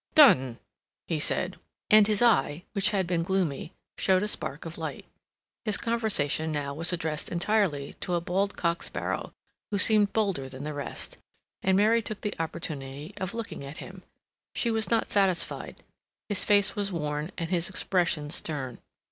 "Done!" he said; and his eye, which had been gloomy, showed a spark of light. His conversation was now addressed entirely to a bald cock sparrow, who seemed bolder than the rest; and Mary took the opportunity of looking at him. She was not satisfied; his face was worn, and his expression stern.